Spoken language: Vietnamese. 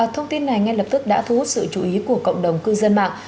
thông tin này ngay lập tức đã thú sự chú ý của cộng đồng cư dân mạng